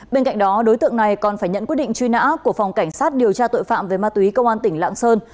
bên cạnh đó đối tượng này còn phải nhận quyết định truy nã của phòng cảnh sát điều tra tội phạm về ma túy công an tỉnh lạng sơn